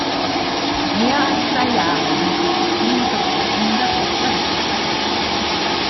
Mehr als zwei Jahre hielt es sich ununterbrochen in der Schweizer Hitparade.